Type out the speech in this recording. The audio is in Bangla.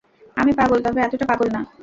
আমি পাগল, তবে এতোটা পাগল না।